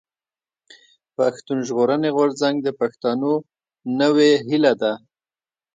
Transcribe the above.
پښتون ژغورني غورځنګ د پښتنو نوې هيله ده.